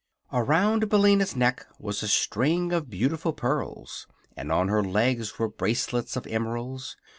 Around Billina's neck was a string of beautiful pearls, and on her legs were bracelets of emeralds.